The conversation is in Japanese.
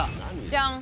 じゃん！